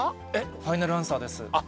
ファイナルアンサーであっ、